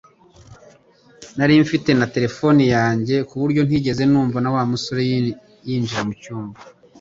Nari mfite na terefone yanjye kuburyo ntigeze numva Wa musore yinjira mucyumba